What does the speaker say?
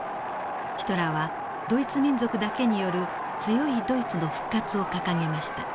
ヒトラーはドイツ民族だけによる強いドイツの復活を掲げました。